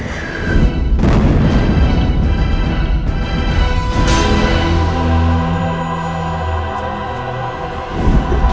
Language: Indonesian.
nino tahu masalahnya